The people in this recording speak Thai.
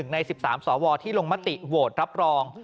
ใน๑๓สวที่ลงมติโหวตรับรอง